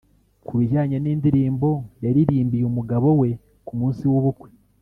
Ku bijyanye n’indirimbo yaririmbiye umugabo we ku munsi w’ubukwe